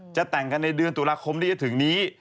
จะแต่งกันในเดือนตุลาคมที่จะถึงนี้